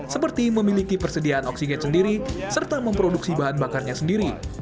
seperti memiliki persediaan oksigen sendiri serta memproduksi bahan bakarnya sendiri